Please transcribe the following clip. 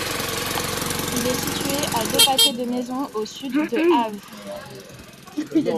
Il est situé à deux pâtés de maisons au sud de Av.